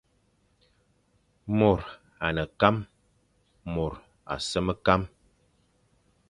Môr a ne kam, môr a sem kam,